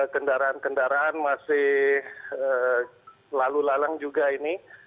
kendaraan kendaraan masih lalu lalang juga ini